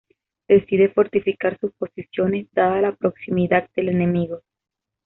Decide fortificar sus posiciones dada la proximidad del enemigo.